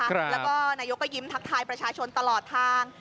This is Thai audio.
แล้วก็นายกก็ยิ้มทักทายประชาชนตลอดทาง